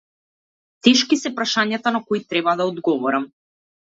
Тешки се прашањата на кои треба да одговорам.